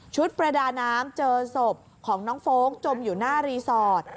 ประดาน้ำเจอศพของน้องโฟลกจมอยู่หน้ารีสอร์ท